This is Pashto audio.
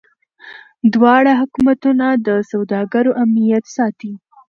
دواړه حکومتونه د سوداګرو امنیت ساتي.